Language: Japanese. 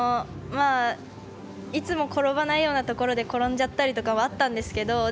いつも転ばないようなところで転んじゃったりとかはあったんですけど